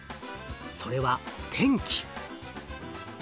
それは天気。